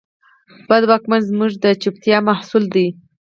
بد واکمن زموږ د چوپتیا محصول دی.